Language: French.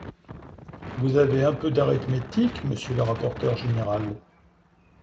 Vous avez un peu d’arithmétique, monsieur le rapporteur général.